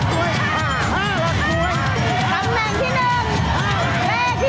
๕หลักสวย